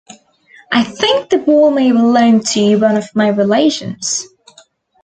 I think the ball may belong to one of my relations.